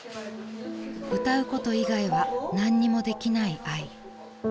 ［歌うこと以外は何にもできないあい］